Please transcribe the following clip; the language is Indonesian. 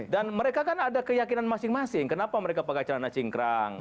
dan mereka kan ada keyakinan masing masing kenapa mereka pakai celana cingkrang